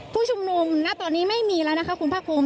ผู้ชุมนุมณตอนนี้ไม่มีแล้วนะคะคุณภาคภูมิ